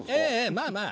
まあまあ。